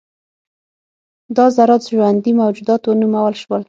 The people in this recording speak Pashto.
دا ذرات ژوندي موجودات ونومول شول.